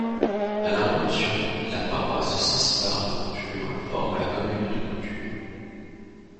À la Révolution, la paroisse Saint-Cibard de Coutures forme la commune de Coutures.